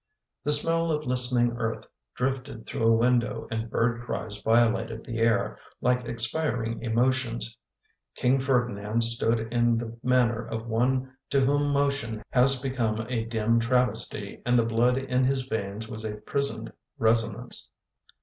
The smell of listening earth drifted through a window and bird cries violated the air, like expiring emotions. King Ferdinand stood in the manner of one to whom motion has become a dim travesty, and the blood in his veins was a prisoned resonance.